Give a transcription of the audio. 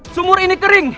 sumur ini kering